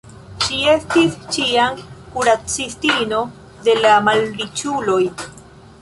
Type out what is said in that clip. Ŝi estis ĉiam kuracistino de la malriĉuloj.